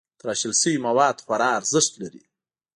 تراشل شوي مواد خوري ارزښت لري.